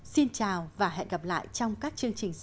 xin chào và hẹn gặp lại trong các chương trình sau